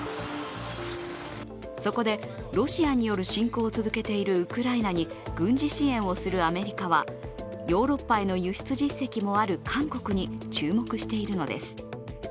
そこで、ロシアによる侵攻を続けているウクライナに軍事支援をするアメリカはヨーロッパへの輸出実績もある韓国に注目しているのです。